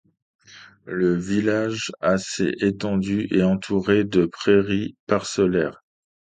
Le village, assez étendu, est entouré de prairies parcellaires.